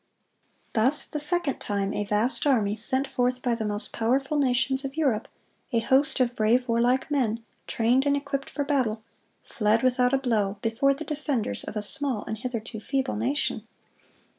Thus the second time a vast army, sent forth by the most powerful nations of Europe, a host of brave, warlike men, trained and equipped for battle, fled without a blow, before the defenders of a small and hitherto feeble nation.